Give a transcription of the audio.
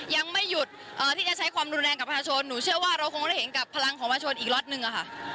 ยังไม่หยุดที่จะใช้ความรุนแรงกับประชาชนหนูเชื่อว่าเราคงได้เห็นกับพลังของมาชนอีกล็อตนึงอะค่ะ